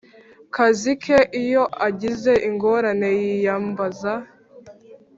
kazi ke Iyo agize ingorane yiyambaza